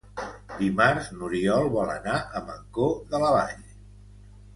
Dimarts n'Oriol vol anar a Mancor de la Vall.